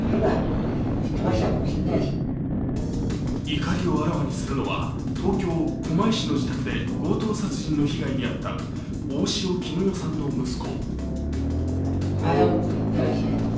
怒りをあらわにするのは東京・狛江市の自宅で強盗殺人の被害に遭った大塩衣与さんの息子。